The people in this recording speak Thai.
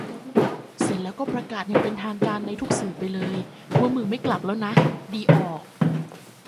เสร็จแล้วก็ประกาศอย่างเป็นทางการในทุกสื่อไปเลย ว่ามึงไม่ลับแล้วนะ ดีออก